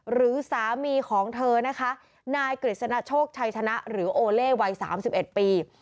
หรือสามีของเธอนะคะนายกฤษณโชคชัยชนะหรือโอเล่วัย๓๑ปี